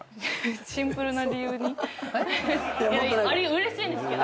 うれしいんですけど。